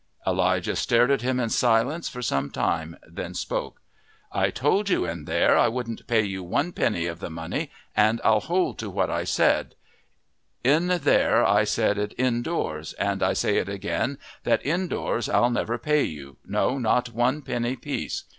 Elijah stared at him in silence for some time, then spoke: "I told you in there I wouldn't pay you one penny of the money and I'll hold to what I said in there I said it indoors, and I say again that indoors I'll never pay you no, not one penny piece.